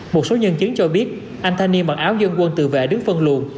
một số nhân chứng cho biết anh thanh niên mặc áo dân quân tự vệ đứng phân luồn